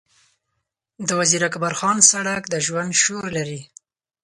د وزیر اکبرخان سړک د ژوند شور لري.